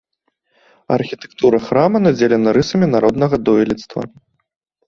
Архітэктура храма надзелена рысамі народнага дойлідства.